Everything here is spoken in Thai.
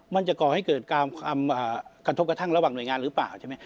ก่อให้เกิดความกระทบกระทั่งระหว่างหน่วยงานหรือเปล่าใช่ไหม